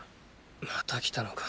また来たのか？